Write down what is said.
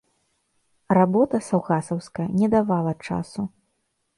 Работа саўгасаўская не давала часу.